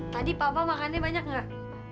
tadi papa makannya banyak nggak